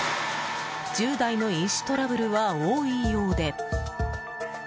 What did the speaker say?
１０代の飲酒トラブルは多いようで。